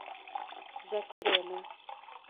Jaquirana